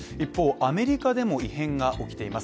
、アメリカでも異変が起きています